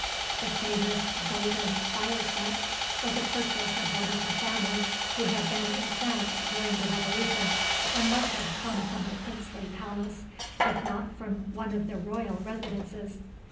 The famous "golden" fire set was a purchase of one of the family who had been in France during the Revolution, and must have come from a princely palace, if not from one of the royal residences.